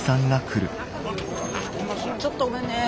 ちょっとごめんね。